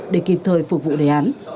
để kịp thời phục vụ đề án